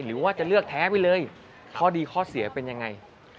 หรือว่าจะเลือกแท้ไปเลยข้อดีข้อเสียเป็นยังไง